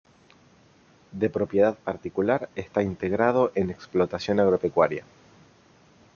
De propiedad particular, está integrado en explotación agropecuaria.